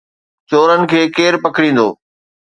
چورن کي ڪير پڪڙيندو؟